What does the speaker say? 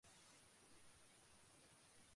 広島県福山市